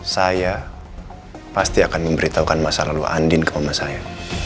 saya pasti akan memberitahukan masa lalu andin ke rumah saya